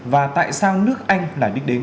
và tại sao nước anh lại đích đến